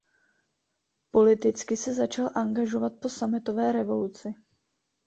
Politicky se začal angažovat po sametové revoluci.